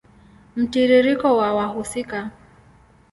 Mtiririko wa wahusika